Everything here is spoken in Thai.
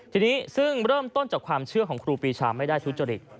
ทีนี้ซึ่งเริ่มต้นจากความเชื่อของครูปีชาไม่ได้ทุจริต